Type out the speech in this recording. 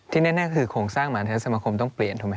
ที่แน่คือโครงสร้างมหาเทศสมคมต้องเปลี่ยน